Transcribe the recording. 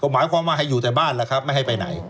หมายความว่าให้อยู่ในบ้านไม่ให้ไปไหน